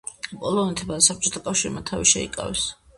პოლონეთმა და საბჭოთა კავშირმა თავი შეიკავეს.